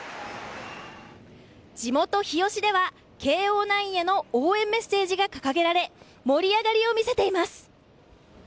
地元、日吉では慶応ナインへの応援メッセージが掲げられ、盛り上がりを見せています。